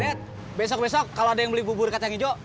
eh besok besok kalau ada yang beli bubur kacang hijau